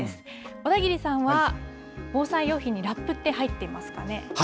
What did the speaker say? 小田切さんは、防災用品にラップって、入ってますかね。